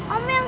om gorengan om